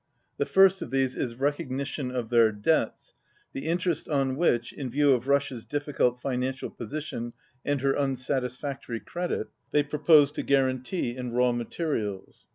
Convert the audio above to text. The first of these is recognition of their debts, the interest on which, "in view of Russia's difficult financial po sition and her unsatisfactory credit," they propose to guarantee in raw materials.